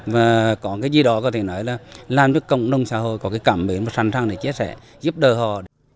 và có cái gì đó có thể nói là làm cho cộng đồng xã hội có cái cảm biến và sẵn sàng để chia sẻ giúp đỡ họ